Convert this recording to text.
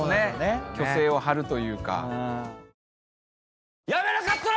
虚勢を張るというか。